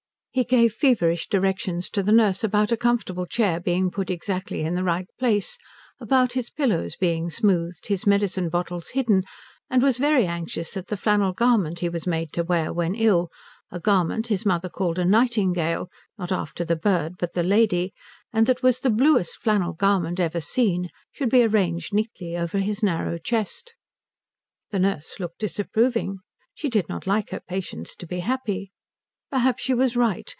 He gave feverish directions to the nurse about a comfortable chair being put exactly in the right place, about his pillows being smoothed, his medicine bottles hidden, and was very anxious that the flannel garment he was made to wear when ill, a garment his mother called a nightingale not after the bird but the lady and that was the bluest flannel garment ever seen, should be arranged neatly over his narrow chest. The nurse looked disapproving. She did not like her patients to be happy. Perhaps she was right.